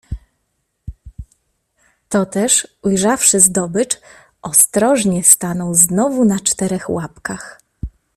Toteż, ujrzawszy zdobycz, ostrożnie stanął znowu na czterech łapkach.